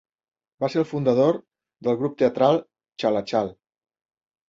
Va ser el fundador del grup teatral "Chalachal".